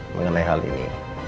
mengenai hal ini